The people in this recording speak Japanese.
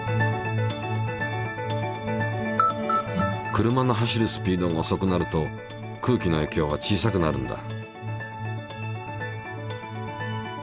車の走るスピードがおそくなると空気のえいきょうは小さくなるんだ。